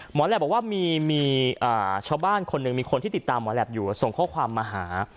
แหลปบอกว่ามีชาวบ้านคนหนึ่งมีคนที่ติดตามหมอแหลปอยู่ส่งข้อความมาหา